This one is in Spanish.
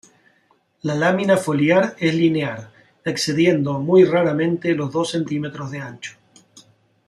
La lámina foliar es linear, excediendo muy raramente los dos centímetros de ancho.